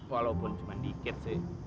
walaupun cuman dikit sih